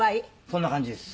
「そんな感じです」